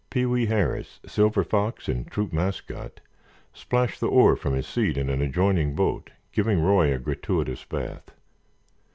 Pee wee Harris, Silver Fox and troop mascot, splashed the oar from his seat in an adjoining boat, giving Roy a gratuitous bath.